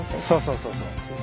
そうそうそうそう。